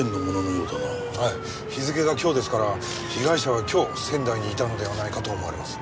はい日付が今日ですから被害者は今日仙台にいたのではないかと思われます。